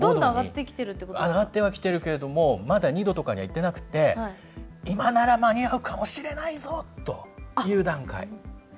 上がってはきてるけどまだ２度とかにはいってなくて今なら間に合うかもしれないぞという段階。